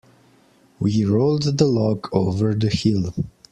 We rolled the log over the hill.